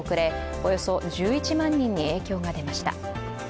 およそ１１万人に影響が出ました。